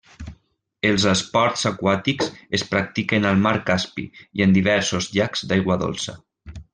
Els esports aquàtics es practiquen al mar Caspi i en diversos llacs d'aigua dolça.